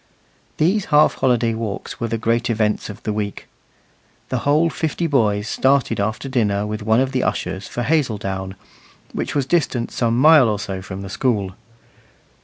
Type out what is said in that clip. These half holiday walks were the great events of the week. The whole fifty boys started after dinner with one of the ushers for Hazeldown, which was distant some mile or so from the school.